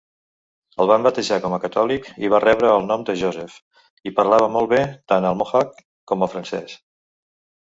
El van batejar com a catòlic i va rebre el nom de Joseph, i parlava molt bé tant el mohawk com el francès.